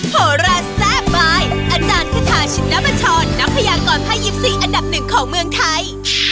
พระราชสแบบบายศ์อาจารย์ขทาชิณบชรนักพยากรพยิบซีอันดับหนึ่งของเมืองไทย